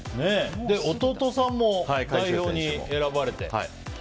弟さんも代表に選ばれて。